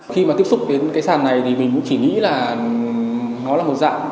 khi mà tiếp xúc đến cái sàn này thì mình cũng chỉ nghĩ là nó là một dạng